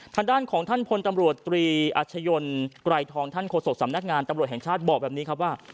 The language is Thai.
ทางด้านของท่านพลตำรวจตรีอัชยนไกรทองท่านโฆษกสำนักงานตำรวจแห่งชาติบอกแบบนี้ครับว่า